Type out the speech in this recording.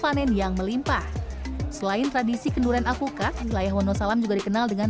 panen yang melimpah selain tradisi kenduran akukat wilayah wonosalam juga dikenal dengan